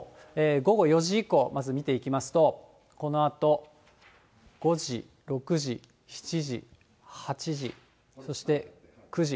午後４時以降、まず見ていきますと、このあと５時、６時、７時、８時、そして９時。